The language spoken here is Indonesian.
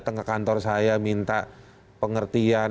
datang ke kantor saya minta pengertian